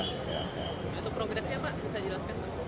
untuk progresnya pak bisa jelaskan